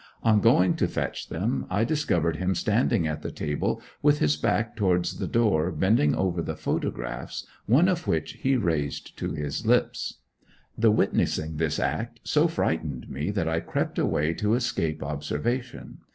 On going to fetch them I discovered him standing at the table with his back towards the door bending over the photographs, one of which he raised to his lips. The witnessing this act so frightened me that I crept away to escape observation.